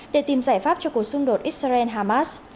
để tìm giải pháp cho cuộc xung đột israel hamas